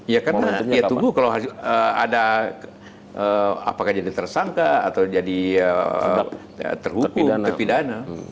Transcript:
ya karena ya tunggu kalau ada apakah jadi tersangka atau jadi terhukum terpidana